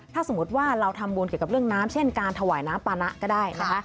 ถ้าสมมุติว่าเราทำบุญเกี่ยวกับเรื่องน้ำเช่นการถวายน้ำปานะก็ได้นะคะ